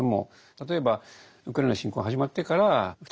例えばウクライナの侵攻が始まってから再びですね